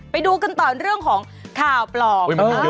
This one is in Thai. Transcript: ไปดูกันต่อเรื่องของข่าวปลอม